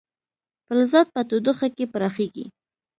فلزات په تودوخه کې پراخېږي.